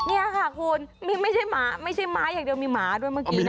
นี่ค่ะคุณไม่ใช่ม้าอย่างเดียวมีม้าด้วยเมื่อกี้น่ะ